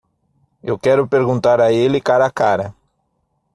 Eu quero perguntar a ele cara a cara.